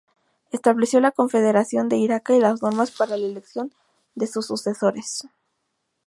Estableció la confederación de Iraca y las normas para la elección de sus sucesores.